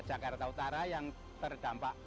aku peninggir kamu